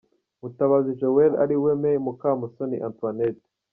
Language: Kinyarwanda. Mutabazi Joel ariwe Me Mukamusoni Antoinette.